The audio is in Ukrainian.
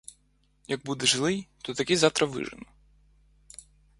Як будеш злий, то таки завтра вижену.